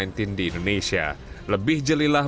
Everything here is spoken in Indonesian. lebih jelilah masjid ini tidak akan melakukan pelarangan bagi jamaah